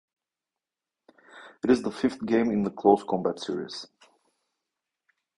It is the fifth game in the "Close Combat" series.